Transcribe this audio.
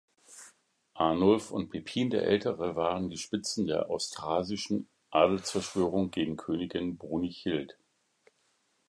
Arnulf und Pippin der Ältere waren die Spitzen der austrasischen Adelsverschwörung gegen Königin Brunichild.